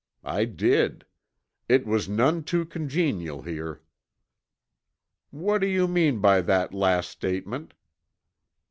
I did. It was none too congenial here." "What do you mean by that last statement?"